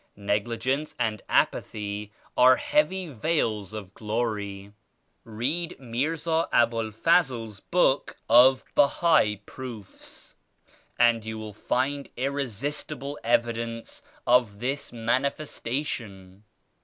Neg ligence and apathy are heavy "veils of Glory." Read Mirza Abul Fazl's book of *Bahai Proofs' and you will find irresistible evidence of this Manifestation.